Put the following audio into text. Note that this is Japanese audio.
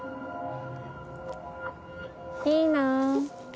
・いいなぁ。